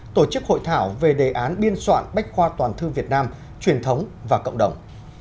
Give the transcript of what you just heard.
tổ chức hội thảo về đề án biên soạn bách khoa toàn thư việt nam truyền thống và cộng đồng